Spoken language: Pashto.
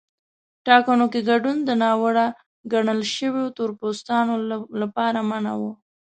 ټاکنو کې ګډون د ناوړه ګڼل شویو تور پوستانو لپاره منع و.